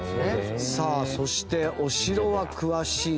さあそしてお城は詳しい英樹さん。